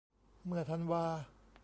เมื่อธันวา